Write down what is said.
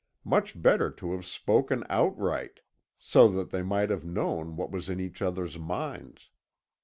Much better to have spoken outright, so that they might have known what was in each other's minds.